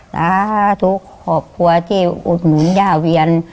สาธุครอบครัวที่อุดหนุนย่าเวียน